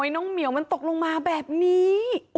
น้องเหมียวมันตกลงมาแบบนี้